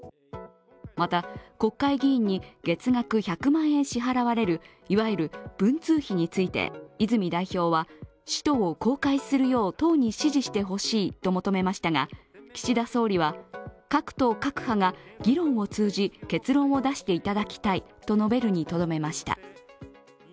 また、国会議員に月額１００万円支払われるいわゆる文通費について泉代表は使途を公開するよう党に指示してほしいと求めましたが、岸田総理は各党各派が議論を通じ、結論を出していただきたいと述べるにとどめました。